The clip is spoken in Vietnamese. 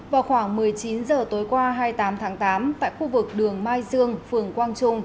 vào khoảng một mươi chín h tối qua hai mươi tám tháng tám tại khu vực đường mai dương phường quang trung